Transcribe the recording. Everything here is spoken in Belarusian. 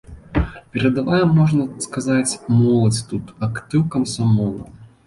Перадавая, можна сказаць, моладзь тут, актыў камсамолу.